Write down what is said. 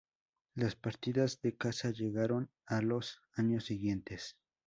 Las partidas de caza llegaron en los años siguientes.